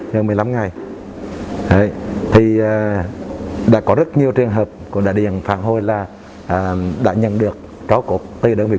gần một mươi năm ngày thì đã có rất nhiều trường hợp của đại điện phản hội là đã nhận được trói cục từ đơn vị